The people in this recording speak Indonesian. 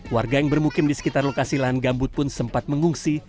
warga yang bermukim di sekitar lokasi lahan gambut pun sempat mengungsi